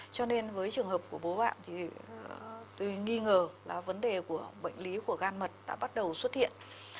cho nên với trường hợp của bố bạn thì tuy nghi ngờ là vấn đề của bệnh lý của gan mật đã bắt đầu xuất hiện